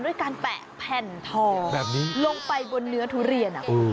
ด้วยการแปะแผ่นทองแบบนี้ลงไปบนเนื้อทุเรียนอ่ะเออ